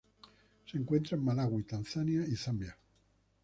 Se encuentra en Malaui Tanzania y Zambia.